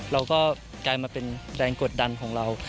เราก็กลายมาเป็นแรงกดดันของเรา